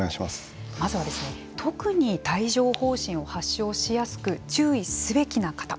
まずは、特に帯状ほう疹を発症しやすく注意すべきな方。